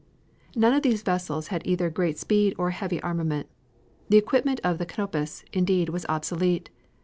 None of these vessels had either great speed or heavy armament. The equipment of the Canopus, indeed, was obsolete.